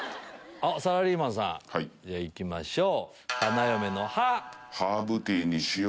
サラリーマンさん行きましょう。